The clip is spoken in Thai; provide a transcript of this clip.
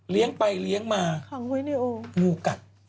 เลี้ยงไปเลี้ยงมางูกัด